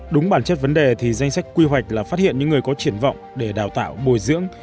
đúng bản chất vấn đề thì danh sách quy hoạch là phát hiện những người có triển vọng để đào tạo bồi dưỡng